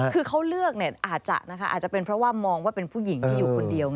คือเขาเลือกอาจจะเป็นเพราะว่ามองว่าเป็นผู้หญิงที่อยู่คนเดียว